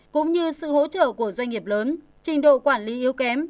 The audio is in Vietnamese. cũng như sự hỗ trợ của doanh nghiệp lớn trình độ quản lý yếu kém